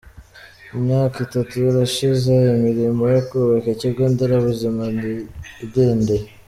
Imyaka itatu irashize imirimo yo kubaka ikigo nderabuzima idindiye.